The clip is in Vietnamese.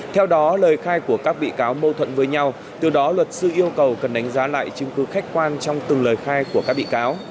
theo đó lời khai của các bị cáo mâu thuẫn với nhau từ đó luật sư yêu cầu cần đánh giá lại chứng cứ khách quan trong từng lời khai của các bị cáo